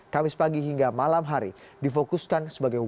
kamis pagi hingga malam hari difokuskan sebagai upaya